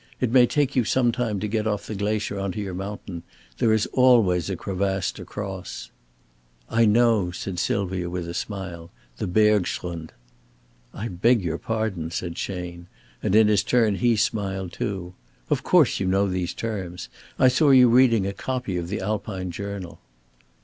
It may take you some time to get off the glacier on to your mountain. There is always a crevasse to cross." "I know," said Sylvia, with a smile. "The bergschrund." "I beg your pardon," said Chayne, and in his turn he smiled too. "Of course you know these terms. I saw you reading a copy of the 'Alpine Journal.'"